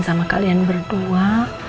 sama kalian berdua